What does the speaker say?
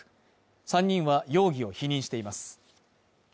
３人は容疑を否認しています。